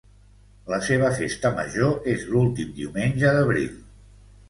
La seva festa major és l'últim diumenge d'abril.